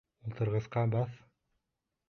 Ултырғысҡа баҫ!